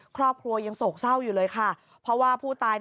ครอบครัวยังโศกเศร้าอยู่เลยค่ะเพราะว่าผู้ตาย